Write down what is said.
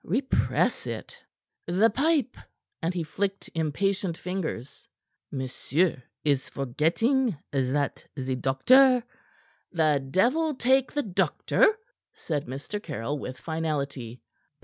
Repress it. The pipe!" And he flicked impatient fingers. "Monsieur is forgetting that the doctor " "The devil take the doctor," said Mr. Caryll with finality.